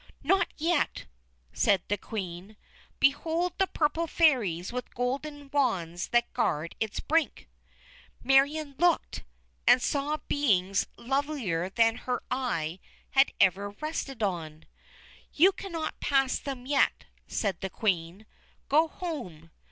"Not yet," said the Queen. "Behold the Purple Fairies with golden wands that guard its brink." Marion looked, and saw Beings lovelier than any her eye had ever rested on. "You cannot pass them yet," said the Queen. "Go home.